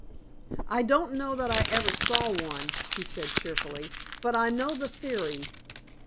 "I don't know that I ever saw one," he said cheerfully, "but I know the theory.